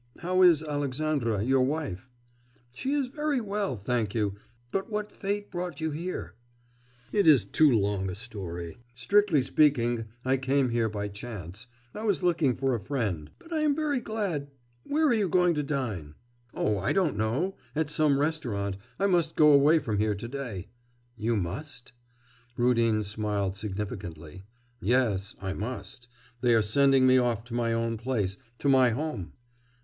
How is Alexandra your wife?' 'She is very well, thank you. But what fate brought you here?' 'It is too long a story. Strictly speaking, I came here by chance. I was looking for a friend. But I am very glad...' 'Where are you going to dine?' 'Oh, I don't know. At some restaurant. I must go away from here to day.' 'You must.' Rudin smiled significantly. 'Yes, I must. They are sending me off to my own place, to my home.